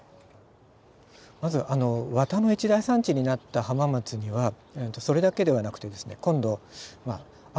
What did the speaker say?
まず綿の一大産地になった浜松にはそれだけではなくてですね今度え？